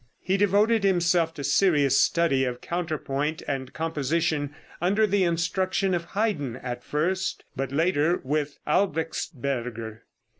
He devoted himself to serious study of counterpoint and composition under the instruction of Haydn at first, but later with Albrechtsberger.